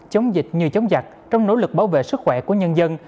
chống dịch như chống giặc trong nỗ lực bảo vệ sức khỏe của nhân dân